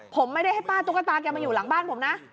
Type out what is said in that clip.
ผมไม่ได้ให้ป้าตุ๊กตาแกมาอยู่หลังบ้านผมนะ